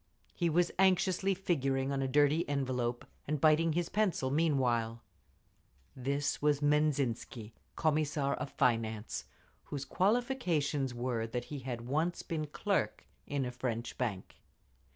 He was anxiously figuring on a dirty envelope, and biting his pencil meanwhile. This was Menzhinsky, Commissar of Finance, whose qualifications were that he had once been clerk in a French bank….